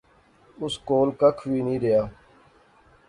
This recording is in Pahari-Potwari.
اس کول ککھ وی نی رہیا